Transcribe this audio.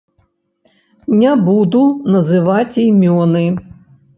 Не буду называць імёны.